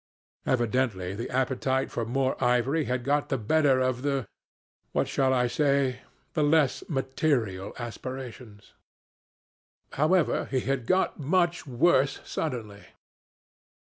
Evidently the appetite for more ivory had got the better of the what shall I say? less material aspirations. However he had got much worse suddenly.